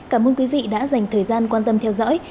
cảm ơn quý vị đã dành thời gian quan tâm theo dõi